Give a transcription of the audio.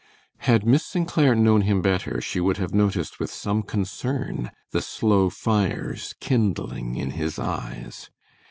Had Miss St. Clair known him better she would have noticed with some concern the slow fires kindling in his eyes.